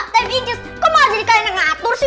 kok mau jadi kalian yang ngatur sih